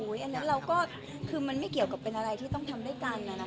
อันนั้นเราก็คือมันไม่เกี่ยวกับเป็นอะไรที่ต้องทำด้วยกัน